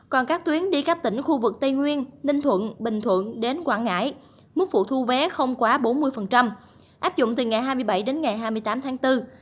còn các tuyến đi các tỉnh khu vực tây nguyên ninh thuận bình thuận đến quảng ngãi mức phụ thu vé không quá bốn mươi áp dụng từ ngày hai mươi bảy đến ngày hai mươi tám tháng bốn